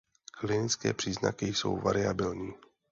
Klinické příznaky jsou variabilní.